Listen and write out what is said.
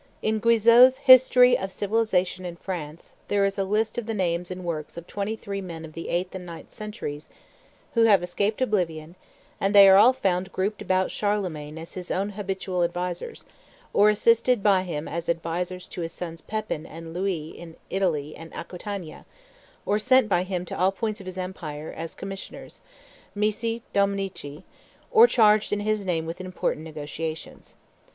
In Guizot's History of Civilization in France there is a list of the names and works of twenty three men of the eighth and ninth centuries who have escaped oblivion, and they are all found grouped about Charlemagne as his own habitual advisers, or assigned by him as advisers to his sons Pepin and Louis in Italy and Aquitania, or sent by him to all points of his empire as his commissioners (missi dominici), or charged in his name with important negotiations.